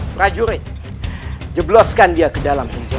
prajurit jebloskan dia ke dalam penjara